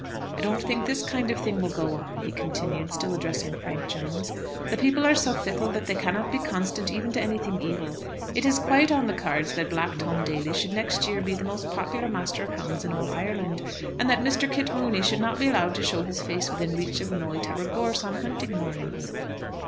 "I don't think this kind of thing will go on," he continued, still addressing Frank Jones. "The people are so fickle that they cannot be constant even to anything evil. It is quite on the cards that Black Tom Daly should next year be the most popular master of hounds in all Ireland, and that Mr. Kit Mooney should not be allowed to show his face within reach of Moytubber Gorse on hunting mornings."